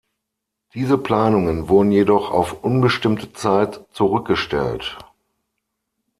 Diese Planungen wurden jedoch auf unbestimmte Zeit zurückgestellt.